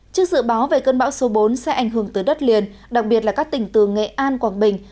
trước dự báo về cơn bão số bốn sẽ ảnh hưởng tới đất liền đặc biệt là các tỉnh từ nghệ an quảng bình